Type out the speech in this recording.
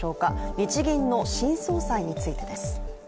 日銀の新総裁についてです。